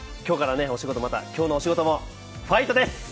今日のお仕事もファイトです！